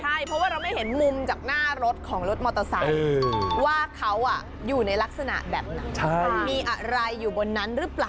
ใช่เพราะว่าเราไม่เห็นมุมจากหน้ารถของรถมอเตอร์ไซค์ว่าเขาอยู่ในลักษณะแบบไหนมีอะไรอยู่บนนั้นหรือเปล่า